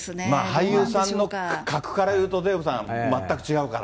俳優さんの格からいうと、デーブさん、全く違うから。